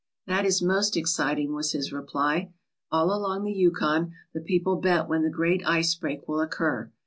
"That is most exciting/' was his reply. "All along the Yukon the people bet when the great ice break will occur.